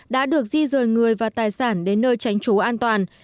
đã được di rời người và tài sản đến nơi tránh trú an toàn